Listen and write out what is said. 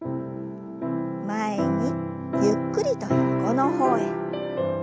前にゆっくりと横の方へ。